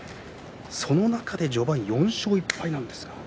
その中で序盤４勝１敗なんですね。